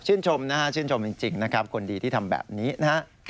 ชมนะฮะชื่นชมจริงนะครับคนดีที่ทำแบบนี้นะฮะ